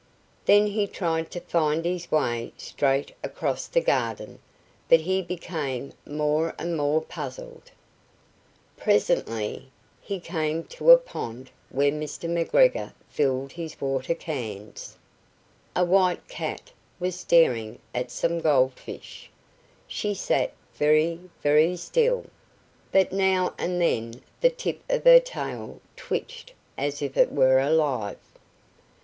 Then he tried to find his way straight across the garden, but he became more and more puzzled. Presently, he came to a pond where Mr. McGregor filled his water cans. A white cat was staring at some goldfish; she sat very, very still, but now and then the tip of her tail twitched as if it were alive.